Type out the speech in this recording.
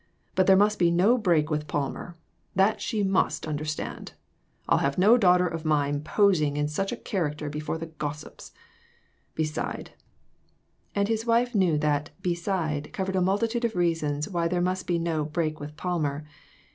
But there must be no break with Palmer; that she must understand. I'll have no daughter of mine posing in such a character before the gossips; beside " And his wife knew that that " beside " covered a multitude of reasons why there must be no "break with Palmer."